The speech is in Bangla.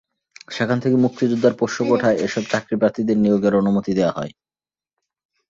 সেখান থেকে মুক্তিযোদ্ধার পোষ্য কোটায় এসব চাকরিপ্রার্থীকে নিয়োগের অনুমতি দেওয়া হয়।